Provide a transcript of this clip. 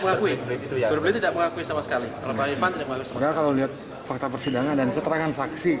mengakui itu ya tidak mengakui sama sekali kalau lihat fakta persidangan dan keterangan saksi